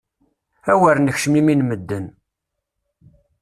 Awer nekcem imi n medden!